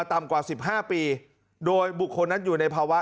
ต่ำกว่า๑๕ปีโดยบุคคลนั้นอยู่ในภาวะ